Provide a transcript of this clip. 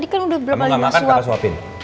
kamu gak makan kakak suapin